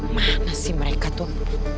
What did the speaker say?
mana sih mereka tuh